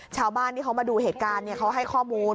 ชาวบ้านที่เขามาดูเหตุการณ์เขาให้ข้อมูล